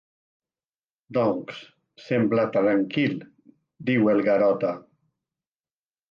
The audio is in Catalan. Doncs sembla tranquil —diu el Garota.